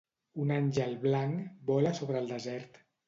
Un àngel blanc vola sobre el desert.